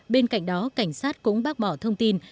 bên cạnh đó cảnh sát cũng bác bỏ thông tin